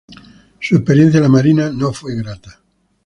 Su experiencia en la Marina no fue grata.